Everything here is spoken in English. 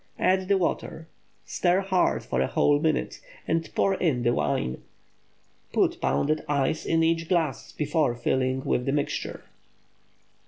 Add the water; stir hard for a whole minute, and pour in the wine. Put pounded ice in each glass before filling with the mixture.